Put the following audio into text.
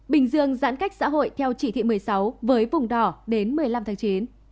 bình dương giãn cách xã hội theo chỉ thị một mươi sáu với vùng đỏ đến một mươi năm tháng chín